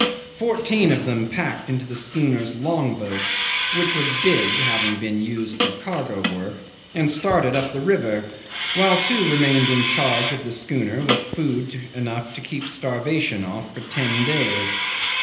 'Fourteen of them packed into the schooner's long boat (which was big, having been used for cargo work) and started up the river, while two remained in charge of the schooner with food enough to keep starvation off for ten days.